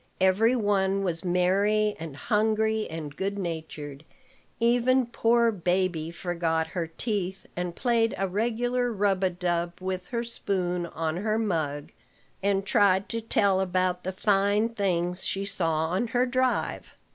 Every one was merry and hungry and good natured. Even poor baby forgot her teeth, and played a regular rub a dub with her spoon on her mug, and tried to tell about the fine things she saw on her drive.